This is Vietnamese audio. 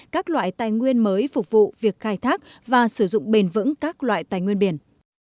các loại tài nguyên mới phục vụ việc khai thác và sử dụng bền vững các loại tài nguyên biển